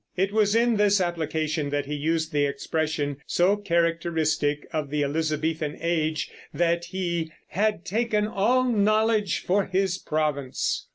It was in this application that he used the expression, so characteristic of the Elizabethan Age, that he "had taken all knowledge for his province."